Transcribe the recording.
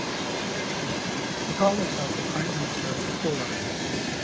She called herself 'The Prime Minister of the Poor'.